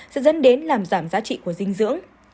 sẽ dẫn đến làm giảm giá trị của dinh dưỡng